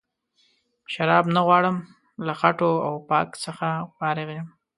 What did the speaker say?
شراب نه غواړم له خټو او پاک څخه فارغ یم.